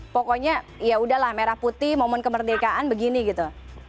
pokoknya yaudah lah merah putih momen kemerdekaan begini gitu